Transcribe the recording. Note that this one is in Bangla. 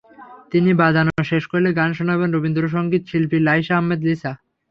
তিনি বাজানো শেষ করলে গান শোনাবেন রবীন্দ্রসংগীত শিল্পী লাইসা আহমদ লিসা।